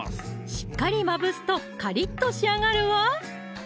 しっかりまぶすとカリッと仕上がるわ！